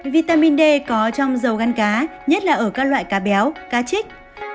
vitamin d có trong dầu gan cá nhất là ở các loại cá béo cá chích